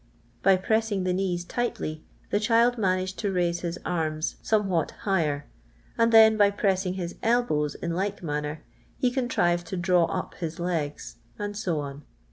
By pressing the knees tightly the child managed to raise his arms some what higher, and then by pressing his elbows in like manner he contrived to draw up his legs, and so on.